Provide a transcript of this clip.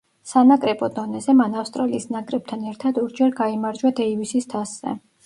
სანაკრებო დონეზე, მან ავსტრალიის ნაკრებთან ერთად ორჯერ გაიმარჯვა დეივისის თასზე.